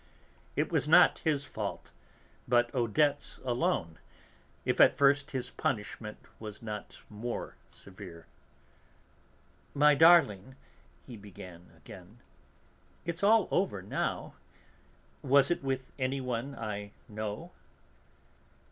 It was not his fault, but Odette's alone, if at first his punishment was not more severe. "My darling," he began again, "it's all over now; was it with anyone I know?"